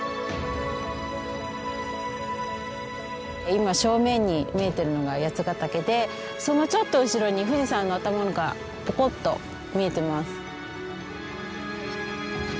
今正面に見えているのが八ヶ岳でそのちょっと後ろに富士山の頭がポコッと見えてます。